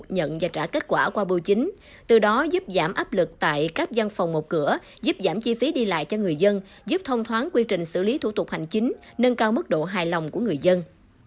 nhận và trả kết quả qua bưu chính từ đó giúp giảm áp lực tại các giang phòng một cửa giúp giảm chi phí đi lại cho người dân giúp thông thoáng quy trình xử lý thủ tục hành chính nâng cao mức độ hài lòng của người dân